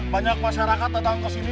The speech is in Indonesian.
banyak masyarakat datang kesini